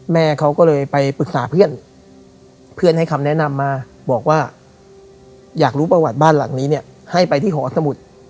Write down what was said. แม่เขาก็เลยไปปรึกษาเพื่อนเพื่อนให้คำแนะนำมาบอกว่าอยากรู้ประวัติบ้านหลังนี้เนี่ยให้ไปที่หอสมุทร